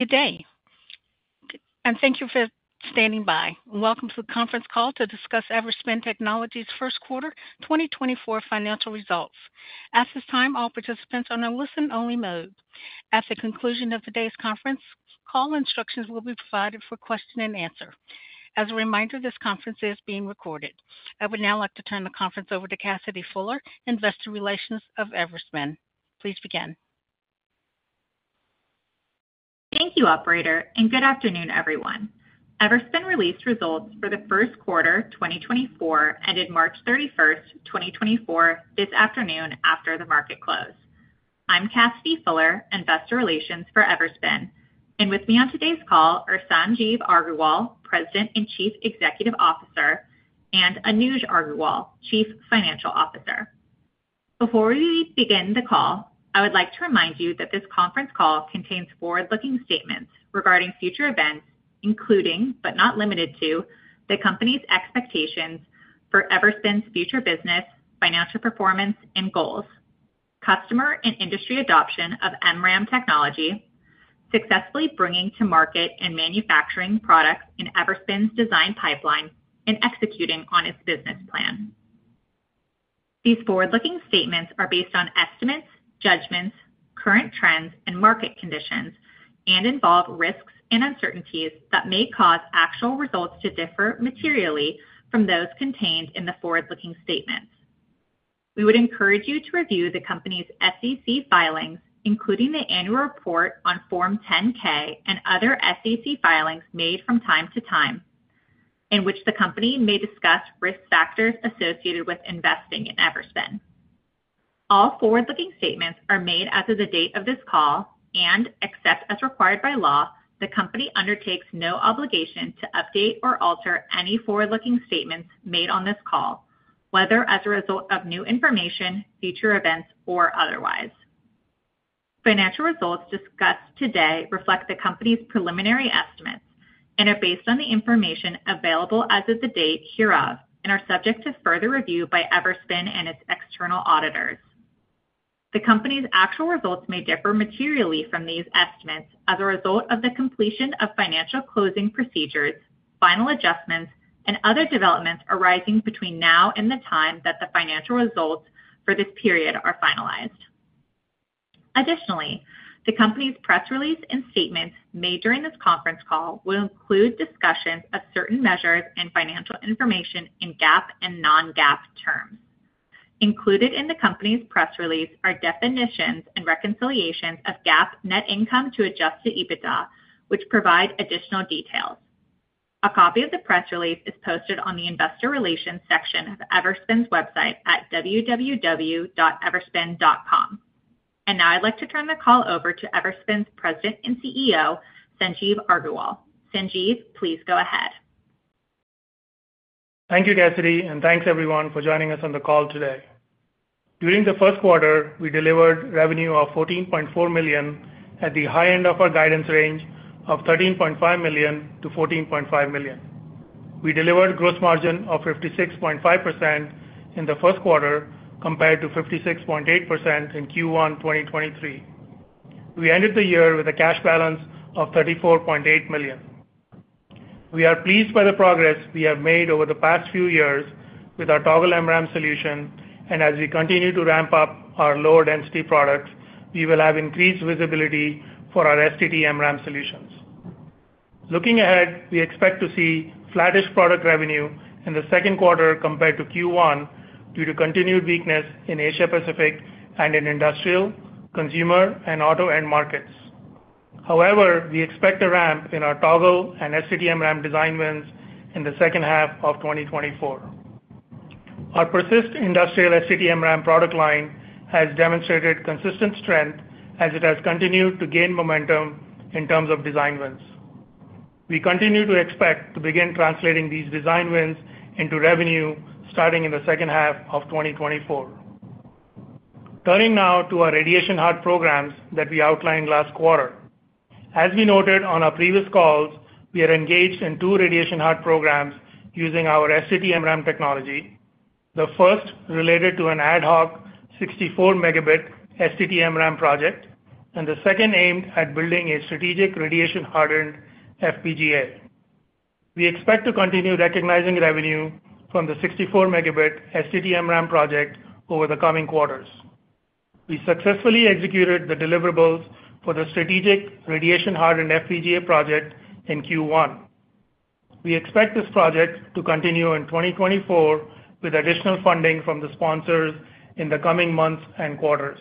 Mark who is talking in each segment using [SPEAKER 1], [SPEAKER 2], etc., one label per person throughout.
[SPEAKER 1] Good day, and thank you for standing by. Welcome to the conference call to discuss Everspin Technologies' first quarter, 2024 financial results. At this time, all participants are on a listen-only mode. At the conclusion of today's conference, call instructions will be provided for question and answer. As a reminder, this conference is being recorded. I would now like to turn the conference over to Cassidy Fuller, Investor Relations of Everspin. Please begin.
[SPEAKER 2] Thank you, operator, and good afternoon, everyone. Everspin released results for the first quarter, 2024, ended March 31st, 2024, this afternoon after the market closed. I'm Cassidy Fuller, Investor Relations for Everspin, and with me on today's call are Sanjeev Aggarwal, President and Chief Executive Officer, and Anuj Aggarwal, Chief Financial Officer. Before we begin the call, I would like to remind you that this conference call contains forward-looking statements regarding future events, including, but not limited to, the Company's expectations for Everspin's future business, financial performance, and goals, customer and industry adoption of MRAM technology, successfully bringing to market and manufacturing products in Everspin's design pipeline, and executing on its business plan. These forward-looking statements are based on estimates, judgments, current trends, and market conditions, and involve risks and uncertainties that may cause actual results to differ materially from those contained in the forward-looking statements. We would encourage you to review the Company's SEC filings, including the annual report on Form 10-K and other SEC filings made from time to time, in which the Company may discuss risk factors associated with investing in Everspin. All forward-looking statements are made as of the date of this call, and except as required by law, the Company undertakes no obligation to update or alter any forward-looking statements made on this call, whether as a result of new information, future events, or otherwise. Financial results discussed today reflect the Company's preliminary estimates and are based on the information available as of the date hereof and are subject to further review by Everspin and its external auditors. The Company's actual results may differ materially from these estimates as a result of the completion of financial closing procedures, final adjustments, and other developments arising between now and the time that the financial results for this period are finalized. Additionally, the Company's press release and statements made during this conference call will include discussions of certain measures and financial information in GAAP and non-GAAP terms. Included in the Company's press release are definitions and reconciliations of GAAP net income to adjusted EBITDA, which provide additional details. A copy of the press release is posted on the Investor Relations section of Everspin's website at www.everspin.com. Now I'd like to turn the call over to Everspin's President and CEO, Sanjeev Aggarwal. Sanjeev, please go ahead.
[SPEAKER 3] Thank you, Cassidy, and thanks everyone for joining us on the call today. During the first quarter, we delivered revenue of $14.4 million at the high end of our guidance range of $13.5 million-$14.5 million. We delivered gross margin of 56.5% in the first quarter, compared to 56.8% in Q1 2023. We ended the year with a cash balance of $34.8 million. We are pleased by the progress we have made over the past few years with our Toggle MRAM solution, and as we continue to ramp up our lower density products, we will have increased visibility for our STT-MRAM solutions. Looking ahead, we expect to see flattish product revenue in the second quarter compared to Q1, due to continued weakness in Asia Pacific and in industrial, consumer, and auto end markets. However, we expect a ramp in our Toggle and STT-MRAM design wins in the second half of 2024. Our PERSYST industrial STT-MRAM product line has demonstrated consistent strength as it has continued to gain momentum in terms of design wins. We continue to expect to begin translating these design wins into revenue starting in the second half of 2024. Turning now to our radiation-hard programs that we outlined last quarter. As we noted on our previous calls, we are engaged in two radiation-hard programs using our STT-MRAM technology. The first related to an ad hoc 64 Mb STT-MRAM project, and the second aimed at building a strategic radiation-hardened FPGA. We expect to continue recognizing revenue from the 64 Mb STT-MRAM project over the coming quarters. We successfully executed the deliverables for the strategic radiation-hardened FPGA project in Q1. We expect this project to continue in 2024 with additional funding from the sponsors in the coming months and quarters.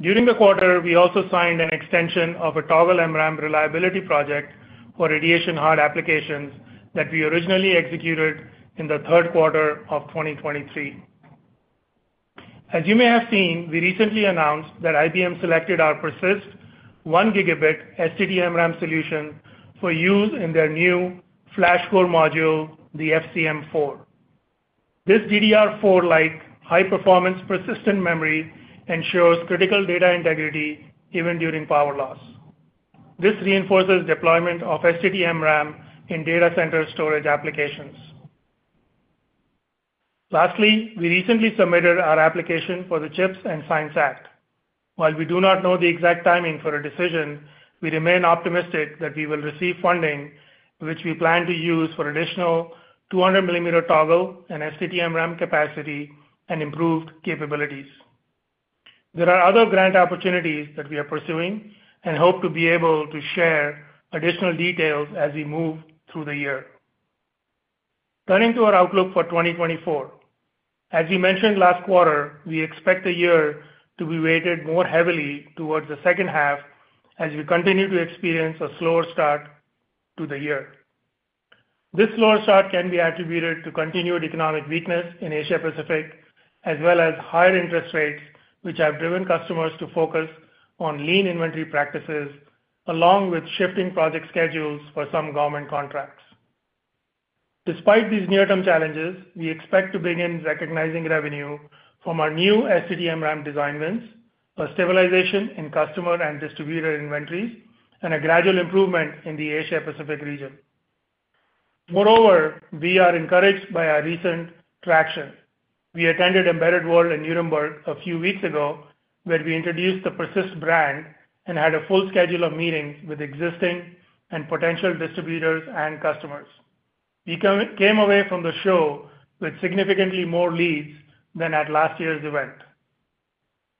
[SPEAKER 3] During the quarter, we also signed an extension of a Toggle MRAM reliability project for radiation-hard applications that we originally executed in the third quarter of 2023. As you may have seen, we recently announced that IBM selected our PERSYST 1 Gb STT-MRAM solution for use in their new FlashCore Module, the FCM4. This DDR4-like high-performance persistent memory ensures critical data integrity even during power loss. This reinforces deployment of STT-MRAM in data center storage applications.... Lastly, we recently submitted our application for the CHIPS and Science Act. While we do not know the exact timing for a decision, we remain optimistic that we will receive funding, which we plan to use for additional 200 mm Toggle and STT-MRAM capacity and improved capabilities. There are other grant opportunities that we are pursuing and hope to be able to share additional details as we move through the year. Turning to our outlook for 2024. As we mentioned last quarter, we expect the year to be weighted more heavily towards the second half as we continue to experience a slower start to the year. This slower start can be attributed to continued economic weakness in Asia Pacific, as well as higher interest rates, which have driven customers to focus on lean inventory practices, along with shifting project schedules for some government contracts. Despite these near-term challenges, we expect to begin recognizing revenue from our new STT-MRAM design wins, a stabilization in customer and distributor inventories, and a gradual improvement in the Asia Pacific region. Moreover, we are encouraged by our recent traction. We attended Embedded World in Nuremberg a few weeks ago, where we introduced the PERSYST brand and had a full schedule of meetings with existing and potential distributors and customers. We came away from the show with significantly more leads than at last year's event.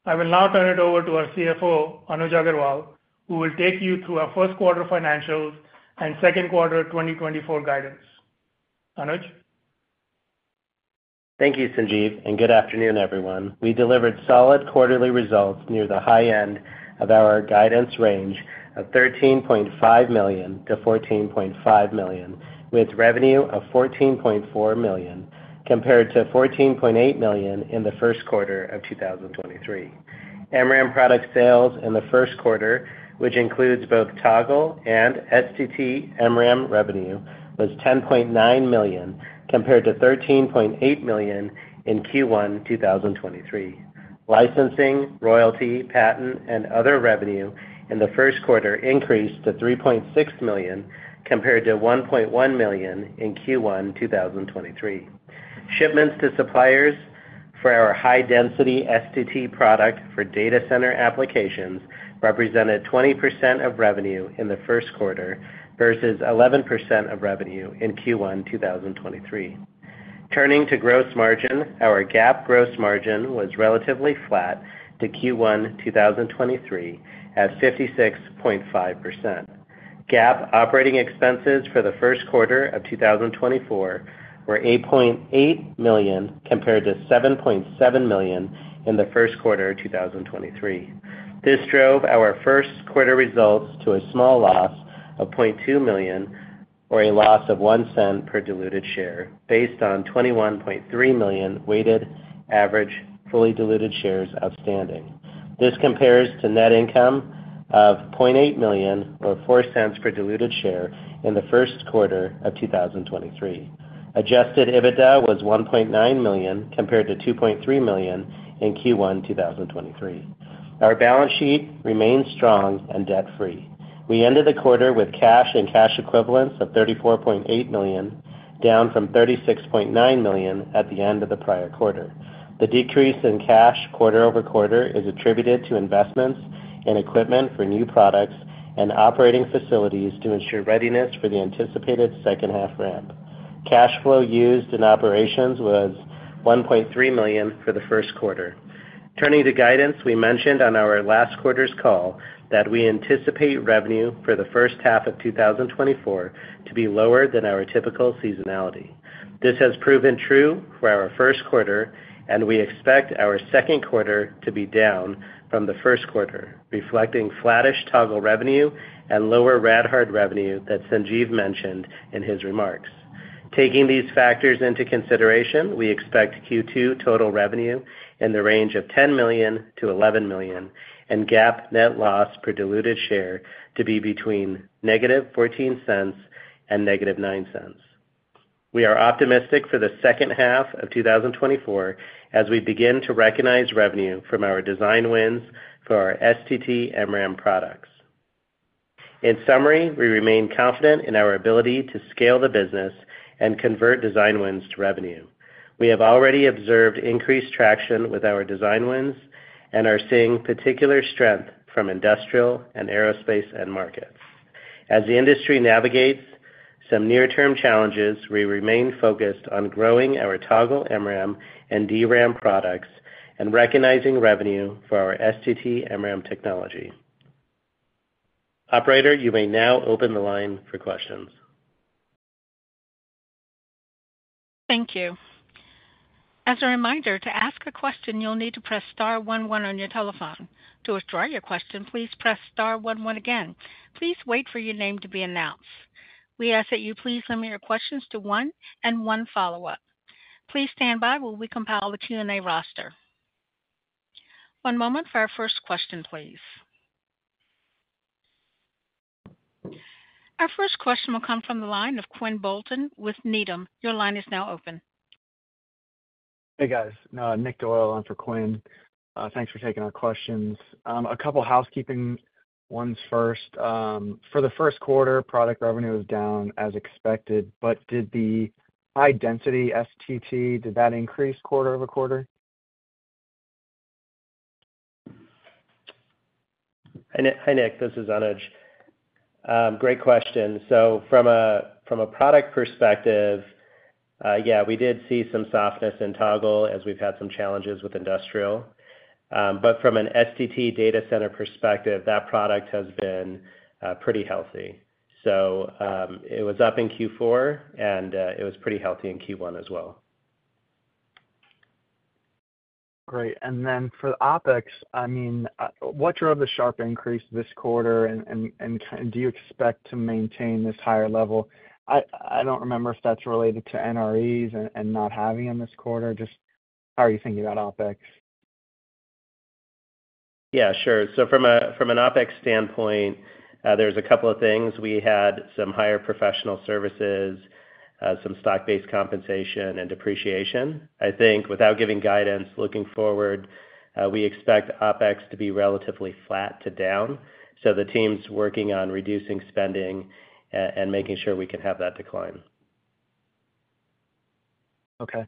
[SPEAKER 3] I will now turn it over to our CFO, Anuj Aggarwal, who will take you through our first quarter financials and second quarter 2024 guidance. Anuj?
[SPEAKER 4] Thank you, Sanjeev, and good afternoon, everyone. We delivered solid quarterly results near the high end of our guidance range of $13.5 million-$14.5 million, with revenue of $14.4 million, compared to $14.8 million in the first quarter of 2023. MRAM product sales in the first quarter, which includes both Toggle and STT-MRAM revenue, was $10.9 million, compared to $13.8 million in Q1 2023. Licensing, royalty, patent, and other revenue in the first quarter increased to $3.6 million, compared to $1.1 million in Q1 2023. Shipments to suppliers for our high-density STT product for data center applications represented 20% of revenue in the first quarter versus 11% of revenue in Q1 2023. Turning to gross margin, our GAAP gross margin was relatively flat to Q1 2023 at 56.5%. GAAP operating expenses for the first quarter of 2024 were $8.8 million, compared to $7.7 million in the first quarter of 2023. This drove our first quarter results to a small loss of $0.2 million, or a loss of $0.01 per diluted share, based on 21.3 million weighted average fully diluted shares outstanding. This compares to net income of $0.8 million, or $0.04 per diluted share in the first quarter of 2023. Adjusted EBITDA was $1.9 million, compared to $2.3 million in Q1 2023. Our balance sheet remains strong and debt-free. We ended the quarter with cash and cash equivalents of $34.8 million, down from $36.9 million at the end of the prior quarter. The decrease in cash quarter over quarter is attributed to investments in equipment for new products and operating facilities to ensure readiness for the anticipated second half ramp. Cash flow used in operations was $1.3 million for the first quarter. Turning to guidance, we mentioned on our last quarter's call that we anticipate revenue for the first half of 2024 to be lower than our typical seasonality. This has proven true for our first quarter, and we expect our second quarter to be down from the first quarter, reflecting flattish Toggle revenue and lower RAD-Hard revenue that Sanjeev mentioned in his remarks. Taking these factors into consideration, we expect Q2 total revenue in the range of $10 million-$11 million, and GAAP net loss per diluted share to be between -$0.14 and -$0.09. We are optimistic for the second half of 2024 as we begin to recognize revenue from our design wins for our STT-MRAM products. In summary, we remain confident in our ability to scale the business and convert design wins to revenue. We have already observed increased traction with our design wins and are seeing particular strength from industrial and aerospace end markets. As the industry navigates some near-term challenges, we remain focused on growing our Toggle MRAM and DRAM products and recognizing revenue for our STT-MRAM technology. Operator, you may now open the line for questions.
[SPEAKER 1] Thank you. As a reminder, to ask a question, you'll need to press star one one on your telephone. To withdraw your question, please press star one one again. Please wait for your name to be announced. We ask that you please limit your questions to one and one follow-up. Please stand by while we compile the Q&A roster. One moment for our first question, please. Our first question will come from the line of Quinn Bolton with Needham. Your line is now open.
[SPEAKER 5] Hey, guys, Nick Doyle on for Quinn. Thanks for taking our questions. A couple housekeeping... One's first, for the first quarter, product revenue was down as expected, but did the high-density STT, did that increase quarter-over-quarter?
[SPEAKER 4] Hi, Nick, this is Anuj. Great question. So from a product perspective, yeah, we did see some softness in Toggle as we've had some challenges with industrial. But from an STT data center perspective, that product has been pretty healthy. So, it was up in Q4, and it was pretty healthy in Q1 as well.
[SPEAKER 5] Great. And then for the OpEx, I mean, what drove the sharp increase this quarter? And do you expect to maintain this higher level? I don't remember if that's related to NREs and not having them this quarter. Just how are you thinking about OpEx?
[SPEAKER 4] Yeah, sure. So from a, from an OpEx standpoint, there's a couple of things. We had some higher professional services, some stock-based compensation and depreciation. I think without giving guidance, looking forward, we expect OpEx to be relatively flat to down. So the team's working on reducing spending and making sure we can have that decline.
[SPEAKER 5] Okay.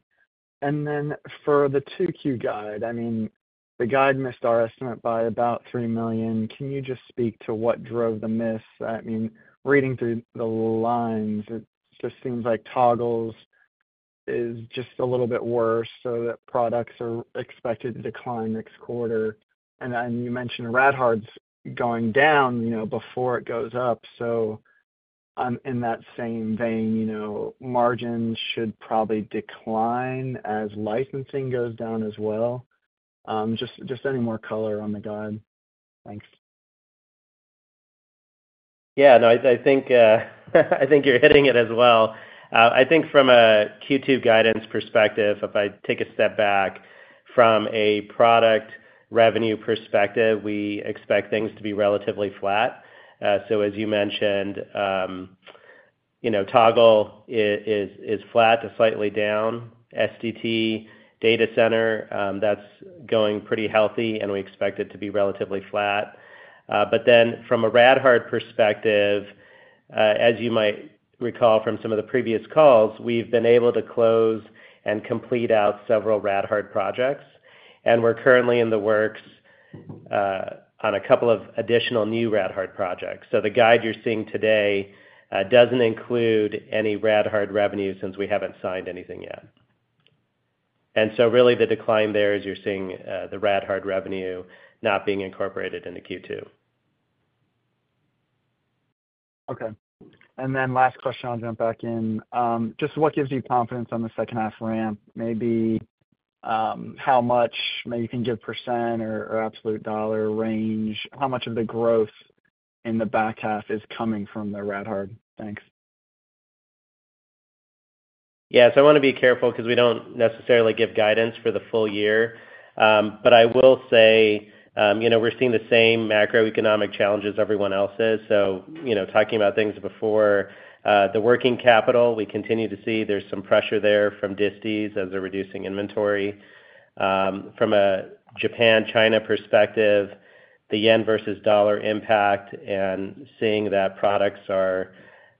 [SPEAKER 5] And then for the 2Q guide, I mean, the guide missed our estimate by about $3 million. Can you just speak to what drove the miss? I mean, reading through the lines, it just seems like Toggle is just a little bit worse, so that products are expected to decline next quarter. And then you mentioned RAD-Hard’s going down, you know, before it goes up. So, in that same vein, you know, margins should probably decline as licensing goes down as well. Just any more color on the guide. Thanks.
[SPEAKER 4] Yeah. No, I think you're hitting it as well. I think from a Q2 guidance perspective, if I take a step back from a product revenue perspective, we expect things to be relatively flat. So as you mentioned, you know, Toggle is flat to slightly down. STT data center, that's going pretty healthy, and we expect it to be relatively flat. But then from a RAD-Hard perspective, as you might recall from some of the previous calls, we've been able to close and complete out several RAD-Hard projects, and we're currently in the works on a couple of additional new RAD-Hard projects. So the guide you're seeing today doesn't include any RAD-Hard revenue since we haven't signed anything yet. And so really, the decline there is you're seeing, the RAD-Hard revenue not being incorporated into Q2.
[SPEAKER 5] Okay. And then last question, I'll jump back in. Just what gives you confidence on the second half ramp? Maybe, how much, maybe you can give percent or, or absolute dollar range, how much of the growth in the back half is coming from the RAD-Hard? Thanks.
[SPEAKER 4] Yeah, so I wanna be careful 'cause we don't necessarily give guidance for the full year. But I will say, you know, we're seeing the same macroeconomic challenges everyone else is. So, you know, talking about things before, the working capital, we continue to see there's some pressure there from distributors as they're reducing inventory. From a Japan, China perspective, the yen versus dollar impact and seeing that products are,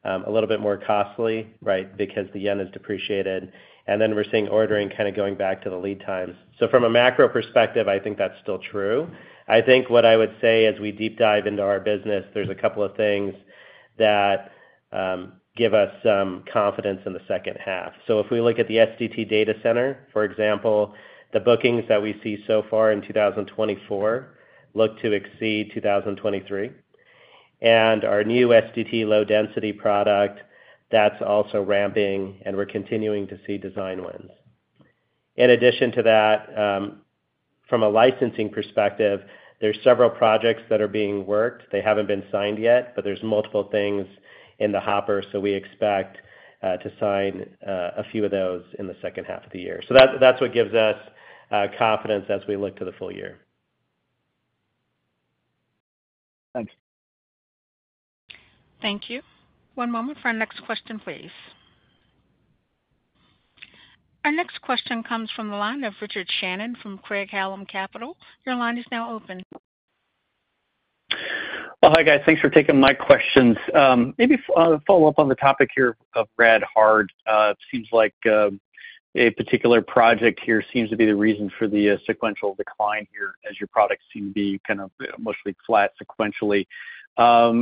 [SPEAKER 4] a little bit more costly, right, because the yen is depreciated, and then we're seeing ordering kind of going back to the lead times. So from a macro perspective, I think that's still true. I think what I would say as we deep dive into our business, there's a couple of things that, give us some confidence in the second half. So if we look at the STT data center, for example, the bookings that we see so far in 2024 look to exceed 2023. And our new STT low-density product, that's also ramping, and we're continuing to see design wins. In addition to that, from a licensing perspective, there's several projects that are being worked. They haven't been signed yet, but there's multiple things in the hopper, so we expect to sign a few of those in the second half of the year. So that's what gives us confidence as we look to the full year.
[SPEAKER 5] Thanks.
[SPEAKER 1] Thank you. One moment for our next question, please. Our next question comes from the line of Richard Shannon from Craig-Hallum Capital. Your line is now open.
[SPEAKER 6] Well, hi, guys. Thanks for taking my questions. Maybe follow up on the topic here of RAD-Hard. It seems like a particular project here seems to be the reason for the sequential decline here, as your products seem to be kind of mostly flat sequentially.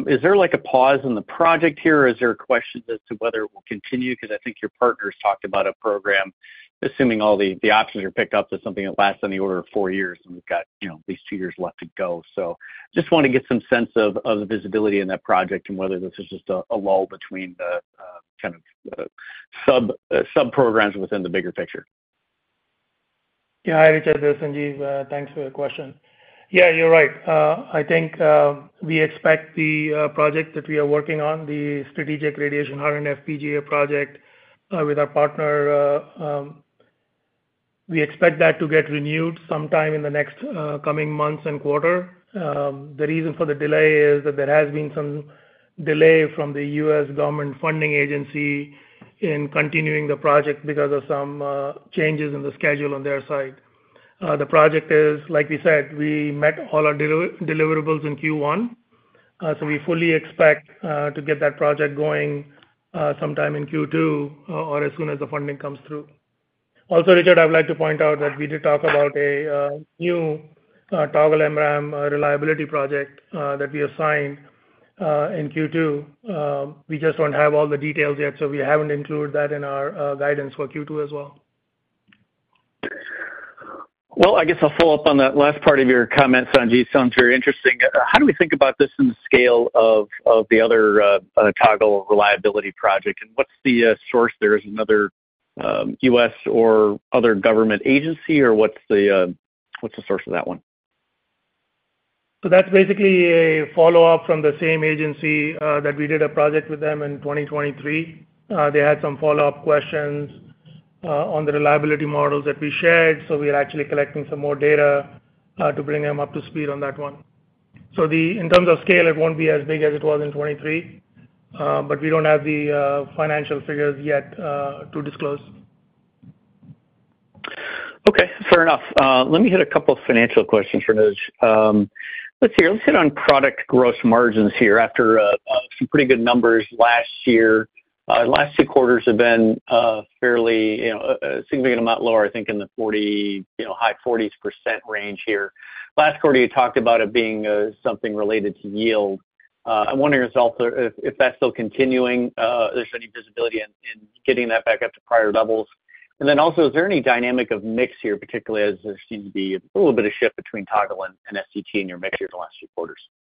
[SPEAKER 6] Is there like a pause in the project here, or is there a question as to whether it will continue? Because I think your partners talked about a program, assuming all the options are picked up, that something that lasts on the order of four years, and we've got, you know, at least two years left to go. So just want to get some sense of the visibility in that project and whether this is just a lull between the kind of sub-programs within the bigger picture.
[SPEAKER 3] Yeah. Hi, Richard, this is Sanjeev. Thanks for the question. Yeah, you're right. I think we expect the project that we are working on, the strategic radiation-hardened FPGA project, with our partner, we expect that to get renewed sometime in the next coming months and quarter. The reason for the delay is that there has been some delay from the U.S. government funding agency in continuing the project because of some changes in the schedule on their side. The project is, like we said, we met all our deliverables in Q1. So we fully expect to get that project going sometime in Q2 or as soon as the funding comes through. Also, Richard, I would like to point out that we did talk about a new Toggle MRAM reliability project that we assigned in Q2. We just don't have all the details yet, so we haven't included that in our guidance for Q2 as well.
[SPEAKER 6] Well, I guess I'll follow up on that last part of your comment, Sanjeev, sounds very interesting. How do we think about this in the scale of, of the other, Toggle reliability project? And what's the source there? Is it another, U.S. or other government agency, or what's the source of that one?
[SPEAKER 3] So that's basically a follow-up from the same agency that we did a project with them in 2023. They had some follow-up questions on the reliability models that we shared, so we're actually collecting some more data to bring them up to speed on that one. So in terms of scale, it won't be as big as it was in 2023, but we don't have the financial figures yet to disclose.
[SPEAKER 6] Okay, fair enough. Let me hit a couple of financial questions here, Anuj. Let's see here. Let's hit on product gross margins here after some pretty good numbers last year. Last 6 quarters have been fairly, you know, a significant amount lower, I think, in the 40, you know, high 40s percent range here. Last quarter, you talked about it being something related to yield. I'm wondering if also, if that's still continuing, if there's any visibility in getting that back up to prior levels. And then also, is there any dynamic of mix here, particularly as there seems to be a little bit of shift between Toggle and STT in your mix here in the last few quarters?
[SPEAKER 4] Yeah.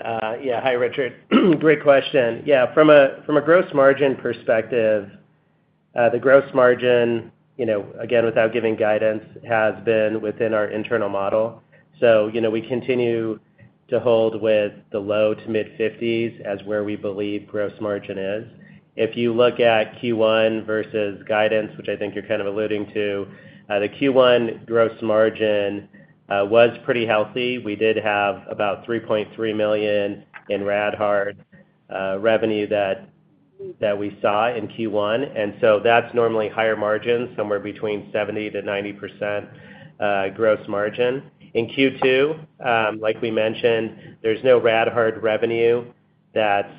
[SPEAKER 4] Hi, Richard. Great question. Yeah, from a gross margin perspective, the gross margin, you know, again, without giving guidance, has been within our internal model. So, you know, we continue to hold with the low to mid-50s as where we believe gross margin is. If you look at Q1 versus guidance, which I think you're kind of alluding to, the Q1 gross margin was pretty healthy. We did have about $3.3 million in RAD-Hard revenue that we saw in Q1. And so that's normally higher margin, somewhere between 70%-90% gross margin. In Q2, like we mentioned, there's no RAD-Hard revenue that's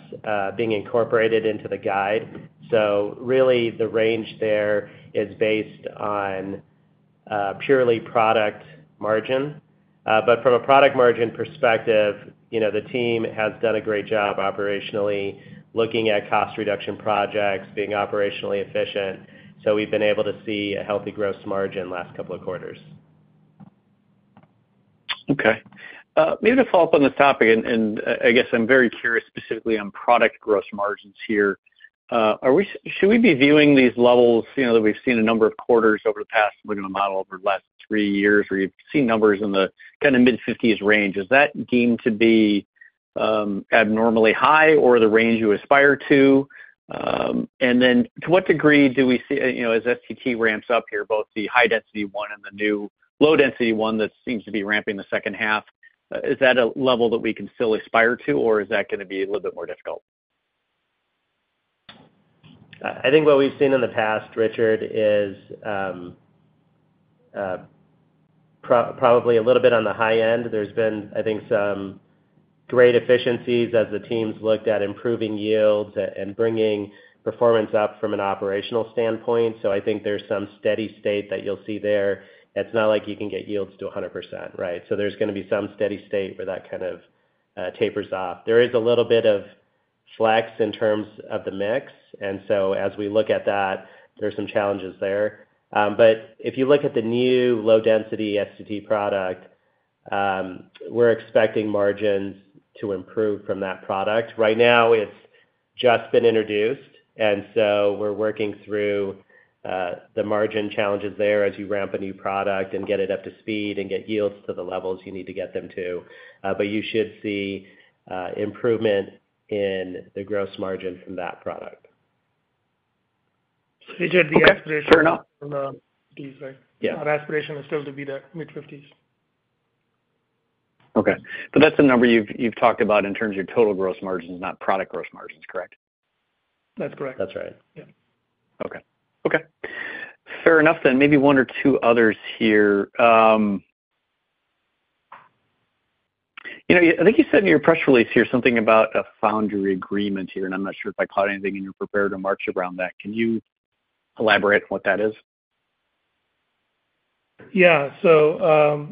[SPEAKER 4] being incorporated into the guide. So really, the range there is based on purely product margin. But from a product margin perspective, you know, the team has done a great job operationally, looking at cost reduction projects, being operationally efficient, so we've been able to see a healthy gross margin last couple of quarters.
[SPEAKER 6] Okay. Maybe to follow up on this topic, and I guess I'm very curious specifically on product gross margins here. Are we—Should we be viewing these levels, you know, that we've seen a number of quarters over the past, looking at model over the last three years, where you've seen numbers in the kind of mid-fifties range? Is that deemed to be abnormally high or the range you aspire to? And then to what degree do we see, you know, as STT ramps up here, both the high density one and the new low density one that seems to be ramping the second half, is that a level that we can still aspire to, or is that gonna be a little bit more difficult?
[SPEAKER 4] I think what we've seen in the past, Richard, is probably a little bit on the high end. There's been, I think, some great efficiencies as the teams looked at improving yields and bringing performance up from an operational standpoint. So I think there's some steady state that you'll see there. It's not like you can get yields to 100%, right? So there's gonna be some steady state where that kind of tapers off. There is a little bit of flex in terms of the mix, and so as we look at that, there are some challenges there. But if you look at the new low-density STT product, we're expecting margins to improve from that product. Right now, it's just been introduced, and so we're working through, the margin challenges there as you ramp a new product and get it up to speed, and get yields to the levels you need to get them to. But you should see, improvement in the gross margin from that product.
[SPEAKER 3] Richard, the aspiration-
[SPEAKER 6] Fair enough.
[SPEAKER 3] From the-
[SPEAKER 4] Yeah.
[SPEAKER 3] Our aspiration is still to be the mid-50s.
[SPEAKER 6] Okay. But that's the number you've talked about in terms of your total gross margins, not product gross margins, correct?
[SPEAKER 3] That's correct.
[SPEAKER 4] That's right.
[SPEAKER 3] Yeah.
[SPEAKER 6] Okay. Okay, fair enough then. Maybe one or two others here. You know, I think you said in your press release here something about a foundry agreement here, and I'm not sure if I caught anything, and you're prepared to march around that. Can you elaborate what that is?
[SPEAKER 3] Yeah. So,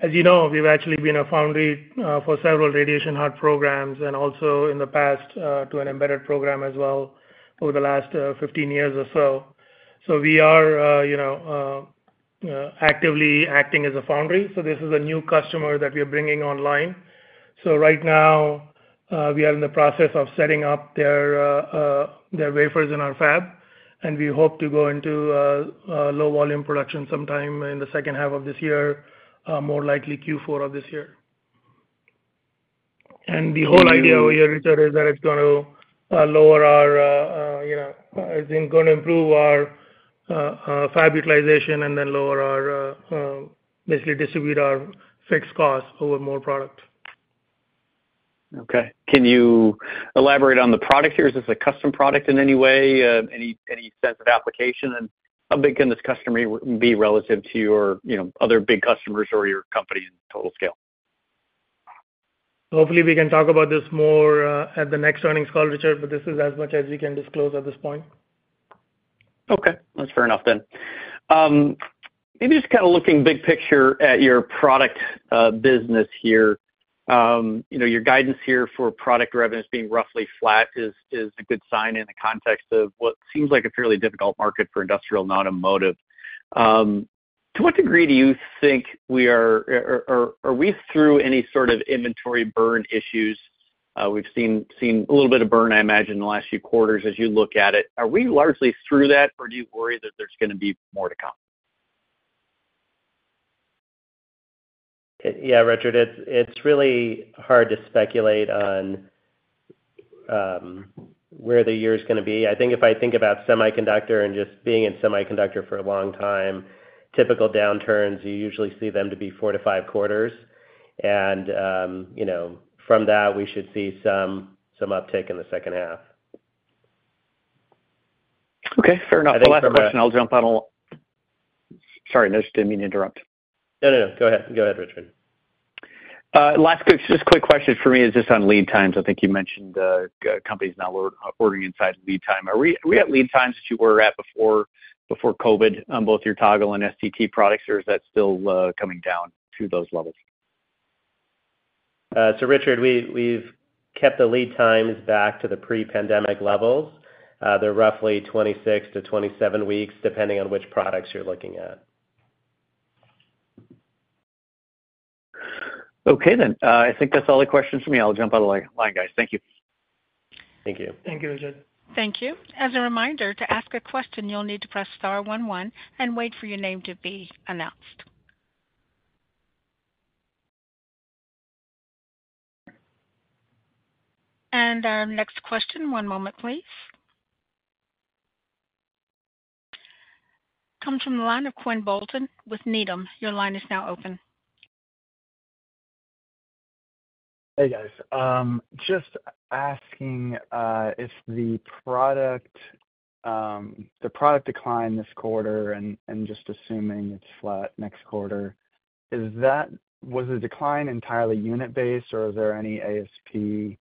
[SPEAKER 3] as you know, we've actually been a foundry for several radiation hard programs and also in the past to an embedded program as well, over the last 15 years or so. So we are, you know, actively acting as a foundry, so this is a new customer that we are bringing online. So right now, we are in the process of setting up their their wafers in our fab, and we hope to go into low volume production sometime in the second half of this year, more likely Q4 of this year. And the whole idea here, Richard, is that it's gonna lower our, you know, it's gonna improve our fab utilization and then lower our basically distribute our fixed costs over more product.
[SPEAKER 6] Okay. Can you elaborate on the product here? Is this a custom product in any way, any sense of application? And how big can this customer be relative to your, you know, other big customers or your company's total scale?
[SPEAKER 3] Hopefully, we can talk about this more, at the next earnings call, Richard, but this is as much as we can disclose at this point.
[SPEAKER 6] Okay, that's fair enough then. Maybe just kind of looking big picture at your product business here. You know, your guidance here for product revenues being roughly flat is a good sign in the context of what seems like a fairly difficult market for industrial, non-automotive. To what degree do you think we are or are we through any sort of inventory burn issues? We've seen a little bit of burn, I imagine, in the last few quarters as you look at it. Are we largely through that, or do you worry that there's gonna be more to come?
[SPEAKER 4] Yeah, Richard, it's really hard to speculate on where the year is gonna be. I think if I think about semiconductor and just being in semiconductor for a long time, typical downturns, you usually see them to be four to five quarters. You know, from that, we should see some uptick in the second half.
[SPEAKER 6] Okay, fair enough.
[SPEAKER 4] I think-
[SPEAKER 6] The last question I'll jump on. Sorry, I just didn't mean to interrupt.
[SPEAKER 4] No, no, go ahead. Go ahead, Richard.
[SPEAKER 6] Last quick, just quick question for me is just on lead times. I think you mentioned, companies now are ordering inside lead time. Are we, are we at lead times that you were at before, before COVID on both your Toggle and STT products, or is that still, coming down to those levels?
[SPEAKER 4] So Richard, we've kept the lead times back to the pre-pandemic levels. They're roughly 26-27 weeks, depending on which products you're looking at.
[SPEAKER 6] Okay, then. I think that's all the questions for me. I'll jump out of the line, guys. Thank you.
[SPEAKER 4] Thank you.
[SPEAKER 3] Thank you, Richard.
[SPEAKER 1] Thank you. As a reminder, to ask a question, you'll need to press star one one and wait for your name to be announced. And our next question, one moment, please, comes from the line of Quinn Bolton with Needham. Your line is now open.
[SPEAKER 5] Hey, guys. Just asking, if the product decline this quarter and just assuming it's flat next quarter, is that—was the decline entirely unit-based, or is there any ASP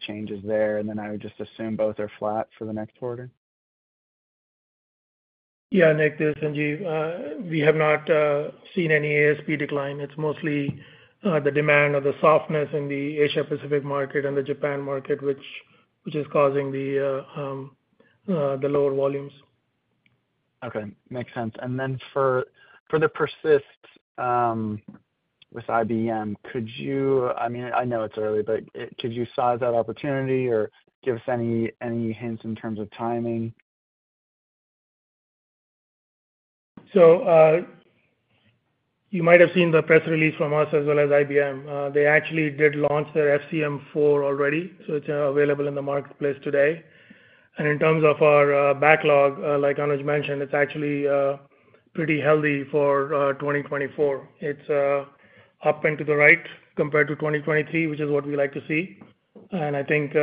[SPEAKER 5] changes there? And then I would just assume both are flat for the next quarter.
[SPEAKER 3] Yeah, Nick, this is Sanjeev. We have not seen any ASP decline. It's mostly the demand or the softness in the Asia-Pacific market and the Japan market, which is causing the lower volumes.
[SPEAKER 5] Okay, makes sense. And then for the PERSYST with IBM, could you... I mean, I know it's early, but could you size that opportunity or give us any hints in terms of timing?
[SPEAKER 3] You might have seen the press release from us as well as IBM. They actually did launch their FCM4 already, so it's available in the marketplace today. In terms of our backlog, like Anuj mentioned, it's actually pretty healthy for 2024. It's up and to the right compared to 2023, which is what we like to see. I think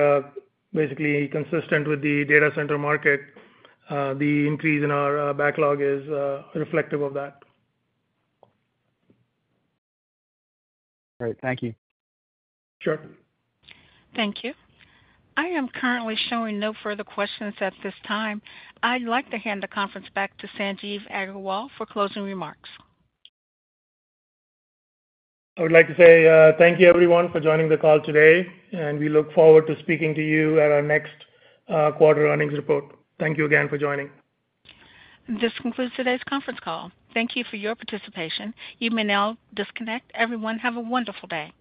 [SPEAKER 3] basically consistent with the data center market, the increase in our backlog is reflective of that.
[SPEAKER 5] Great. Thank you.
[SPEAKER 3] Sure.
[SPEAKER 1] Thank you. I am currently showing no further questions at this time. I'd like to hand the conference back to Sanjeev Aggarwal for closing remarks.
[SPEAKER 3] I would like to say, thank you everyone for joining the call today, and we look forward to speaking to you at our next quarter earnings report. Thank you again for joining.
[SPEAKER 1] This concludes today's conference call. Thank you for your participation. You may now disconnect. Everyone, have a wonderful day.